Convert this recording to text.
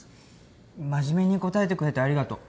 真面目に答えてくれてありがとう。